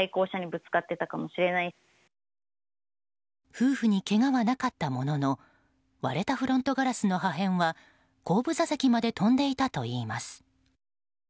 夫婦にけがはなかったものの割れたフロントガラスの破片は後部座席まで飛んでいたといいます。